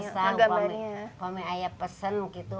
sesah kalau ayah pesan gitu